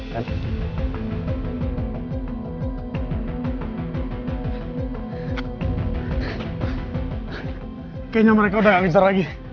kayaknya mereka udah gak liser lagi